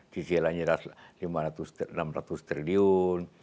kisilannya lima ratus enam ratus triliun